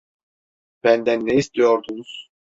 Benden ne istiyordunuz?